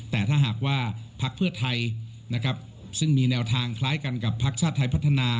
แต่ถ้าหากว่าภักดิ์เพื่อไทยซึ่งมีแนวทางคล้ายกันกับภักดิ์ชาติไทยพัฒนา